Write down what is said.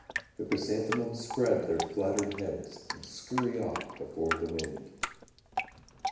The chrysanthemums spread their flattered heads, And scurry off before the wind.